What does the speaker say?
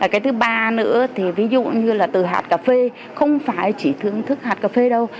cái thứ ba nữa thì ví dụ như là từ hạt cà phê không phải chỉ thưởng thức hạt cà phê đâu